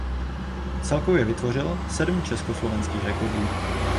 Celkově vytvořil sedm československých rekordů.